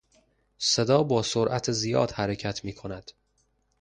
صدا با سرعت زیاد حرکت میکند.